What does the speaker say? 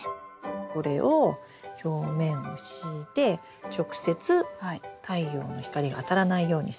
これを表面を敷いて直接太陽の光があたらないようにする。